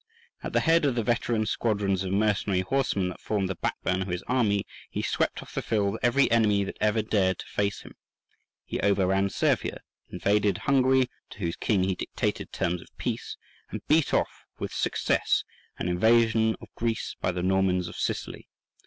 At the head of the veteran squadrons of mercenary horsemen that formed the backbone of his army, he swept off the field every enemy that ever dared to face him. He overran Servia, invaded Hungary, to whose king he dictated terms of peace, and beat off with success an invasion of Greece by the Normans of Sicily.